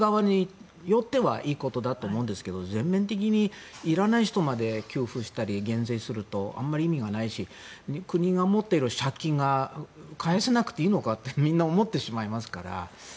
でももちろん相手受ける側によってはいいことだと思うんですが全面的にいらない人まで給付したり減税するとあまり意味がないし国が持っている借金が返せなくていいのかとみんな思ってしまいますから。